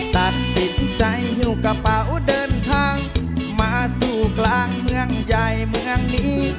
ตัดสินใจหิ้วกระเป๋าเดินทางมาสู่กลางเมืองใหญ่เมืองนี้